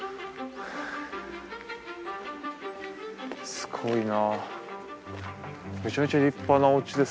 すごいな。